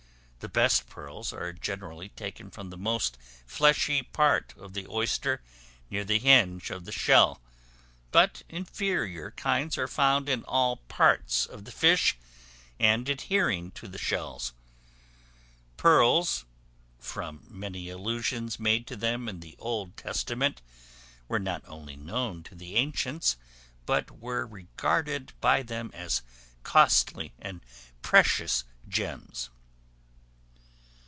The best pearls are generally taken from the most fleshy part of the oyster, near the hinge of the shell, but inferior kinds are found in all parts of the fish, and adhering to the shells. Pearls, from many allusions made to them in the Old Testament, were not only known to the ancients, but were regarded by them as costly and precious gems.